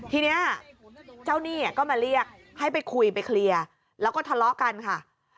ทีนี้เจ้าหนี้ก็มาเรียกให้ไปคุยไปเคลียร์แล้วก็ทะเลาะกันค่ะ